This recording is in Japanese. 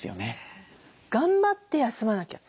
頑張って休まなきゃ。